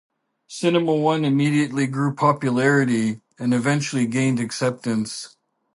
Cinema One immediately grew popularity and eventually gained acceptance.